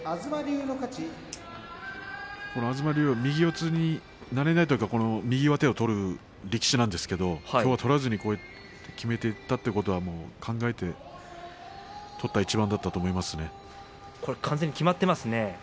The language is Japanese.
東龍は右四つになれないときは右上手を取る力士なんですけれど、きょうは取らずにきめていったということは考えて取った一番だった完全にきまっていますね。